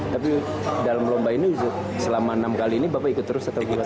tapi dalam lomba ini selama enam kali ini bapak ikut terus atau gimana